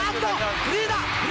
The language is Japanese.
フリーだ！